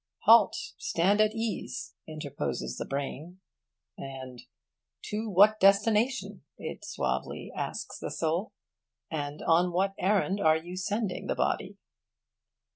'Halt! Stand at ease!' interposes the brain, and 'To what destination,' it suavely asks the soul, 'and on what errand, are you sending the body?